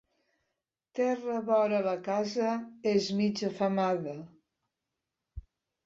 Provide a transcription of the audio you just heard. Terra vora la casa és mig afemada.